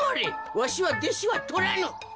わしはでしはとらぬ。